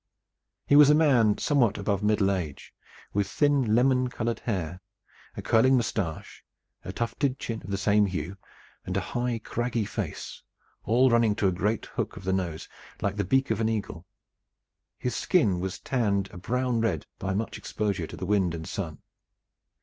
He was a man somewhat above middle age, with thin lemon colored hair, a curling mustache, a tufted chin of the same hue, and a high craggy face, all running to a great hook of the nose, like the beak of an eagle. His skin was tanned a brown red by much exposure to the wind and sun.